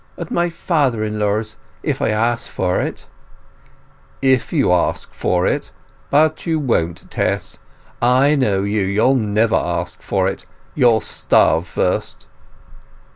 "At my father in law's, if I ask for it." "If you ask for it. But you won't, Tess; I know you; you'll never ask for it—you'll starve first!"